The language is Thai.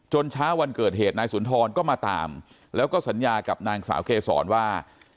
เช้าวันเกิดเหตุนายสุนทรก็มาตามแล้วก็สัญญากับนางสาวเกษรว่า